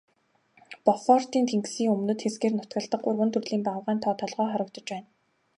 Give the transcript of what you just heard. Бофортын тэнгисийн өмнөд хэсгээр нутагладаг гурван төрлийн баавгайн тоо толгой хорогдож байна.